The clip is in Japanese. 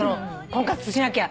婚活しなきゃ。